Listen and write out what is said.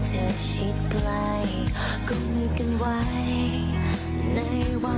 ใช่ไปดูคลิปเลยค่ะ